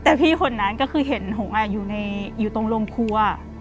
แต่พี่คนนั้นก็คือเห็นหงอยู่ตรงโรงครัว